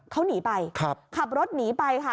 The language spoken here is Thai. เขาหนีไปขับรถหนีไปค่ะ